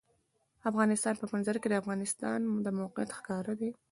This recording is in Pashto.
د افغانستان په منظره کې د افغانستان د موقعیت ښکاره ده.